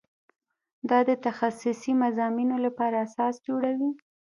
دا د تخصصي مضامینو لپاره اساس جوړوي.